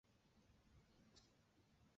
先前发出的光首先到达观察者。